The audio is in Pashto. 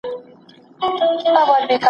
زه کولای سم سبزیجات جمع کړم؟